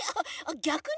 ぎゃくに？